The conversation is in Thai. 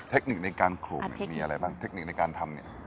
เทคนิคในการขูบเนี่ยมีอะไรบ้างเทคนิคในการทำเนี่ย